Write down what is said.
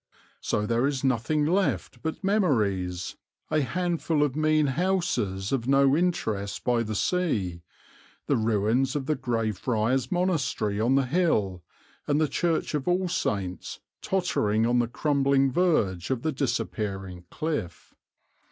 So there is nothing left but memories, a handful of mean houses of no interest by the sea, the ruins of the Grey Friars monastery on the hill, and the church of All Saints tottering on the crumbling verge of the disappearing cliff.